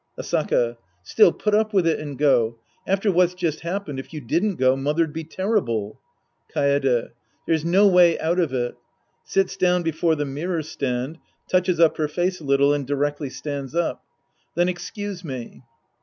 Asaka. Still, put up with it and go. After what's just happened, if you didn't go, mother'd be terrible. Kaede. There's no way out of it. {Sits dawn before the mirror stand, touches up her face a little and directly stands up.) Then excuse me.